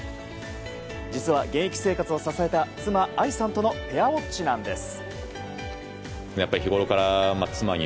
実は、現役生活を支えた妻・愛さんとのペアウォッチなんです。